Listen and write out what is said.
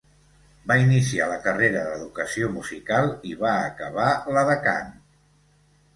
Va iniciar la carrera d'educació musical, i va acabar la de cant.